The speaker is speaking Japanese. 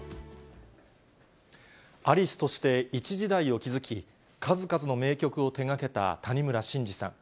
アリスとして一時代を築き、数々の名曲を手がけた谷村新司さん。